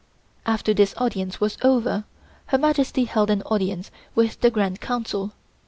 After this audience was over, Her Majesty held an audience with the Grand Council.